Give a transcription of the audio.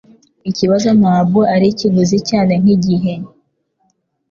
Ikibazo ntabwo ari ikiguzi cyane nkigihe.